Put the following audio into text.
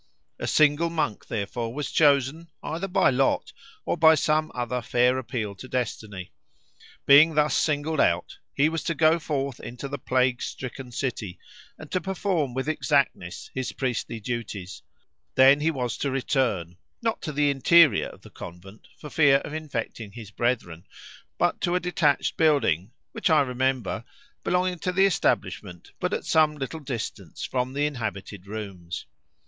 A single monk therefore was chosen, either by lot or by some other fair appeal to destiny. Being thus singled out, he was to go forth into the plague stricken city, and to perform with exactness his priestly duties; then he was to return, not to the interior of the convent, for fear of infecting his brethren, but to a detached building (which I remember) belonging to the establishment, but at some little distance from the inhabited rooms.